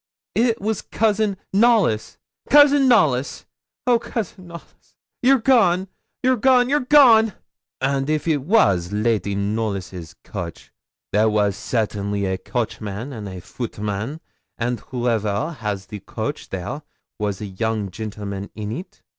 'It was Cousin Knollys Cousin Knollys. Oh, Cousin Knollys! You're gone you're gone you're gone!' 'And if it was Lady Knollys' coach, there was certainly a coachman and a footman; and whoever has the coach there was young gentlemen in it.